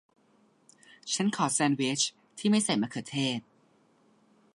ฉันขอแซนด์วิชที่ไม่ใส่มะเขือเทศ